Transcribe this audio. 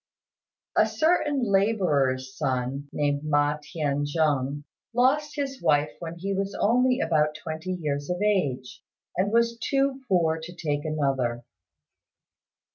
A certain labourer's son, named Ma T'ien jung, lost his wife when he was only about twenty years of age, and was too poor to take another.